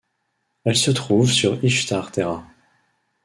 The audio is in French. Elles se trouvent sur Ishtar Terra.